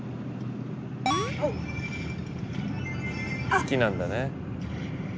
好きなんだね。